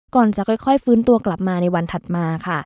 ก่อนจะค่อยฟื้นตัวกลับมาในวันถัดมาค่ะ